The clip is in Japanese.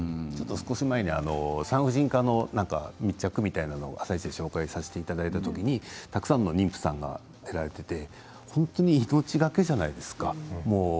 少し前に産婦人科の密着みたいなものを「あさイチ」で紹介した時にたくさんの妊婦さんが出られて本当に命懸けじゃないですか。